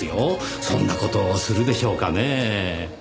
そんな事をするでしょうかねぇ。